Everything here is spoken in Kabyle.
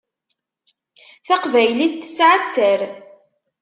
Taqbaylit tesεa sser.